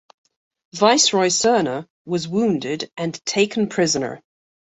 Viceroy Serna was wounded and taken prisoner.